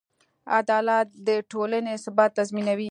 عدالت د ټولنې ثبات تضمینوي.